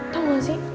tau gak sih